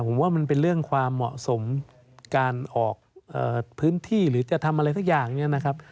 ผมว่ามันเป็นเรื่องความเหมาะสมการออกพื้นที่หรือจะทำอะไรสักอย่างเนี่ยนะครับ